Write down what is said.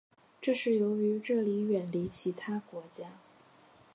这是由于这里远离其他国家。